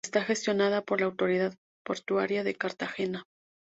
Está gestionada por la autoridad portuaria de Cartagena.